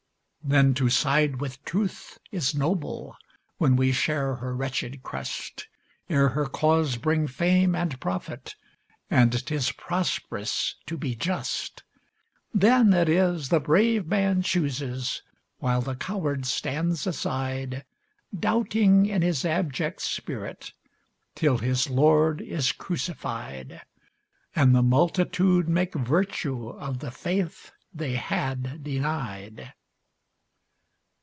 Then to side with Truth is noble when we share her wretched crust, Ere her cause bring fame and profit, and 'tis prosperous to be just; Then it is the brave man chooses, while the coward stands aside, Doubting in his abject spirit, till his Lord is crucified, And the multitude make virtue of the faith they had denied.